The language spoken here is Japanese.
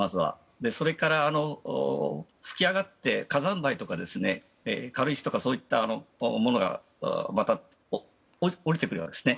それから、噴き上がった火山灰とか軽石とかそういったものがまた降りてくるんですね。